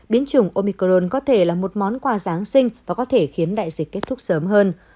biến chủng omicron có thể là một món quà giáng sinh và có thể khiến đại dịch kết thúc sớm hơn